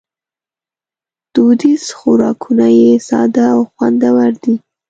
دودیز خوراکونه یې ساده خو خوندور دي.